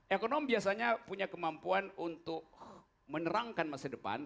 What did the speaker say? ekonom biasanya punya kemampuan untuk menerangkan masa depan